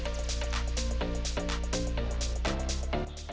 jadi kita bisa lihat apa yang ada di sini